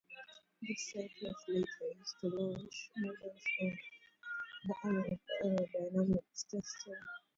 The site was later used to launch models of the Arrow for aerodynamics testing.